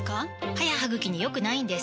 歯や歯ぐきに良くないんです